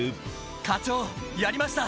課長、やりました。